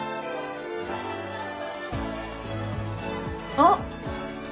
あっ！